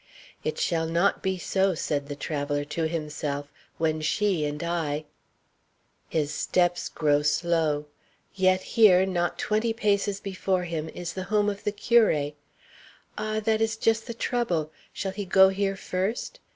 "It shall not be so," said the traveller to himself, "when she and I" His steps grow slow. Yet here, not twenty paces before him, is the home of the curé. Ah! that is just the trouble. Shall he go here first?